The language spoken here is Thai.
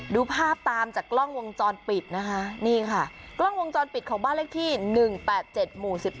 ดูภาพตามจากกล้องวงจรปิดนะคะนี่ค่ะกล้องวงจรปิดของบ้านเลขที่๑๘๗หมู่๑๑